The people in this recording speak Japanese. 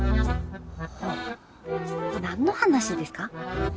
はぁ何の話ですか？